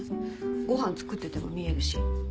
ご飯作ってても見えるし。